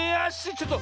ちょっと。